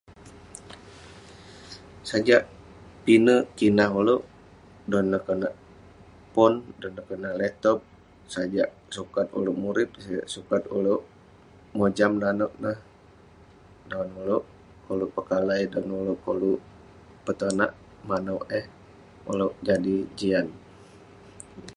Sajak pinek kinah ulouk, dan neh konak..pon, dan neh konak laptop, sajak sukat ulouk murip, sajak sukat ulouk mojam nanouk neh..dan ulouk koluk pekalai, dan ulouk koluk petonak manouk eh, ulouk jadi jian...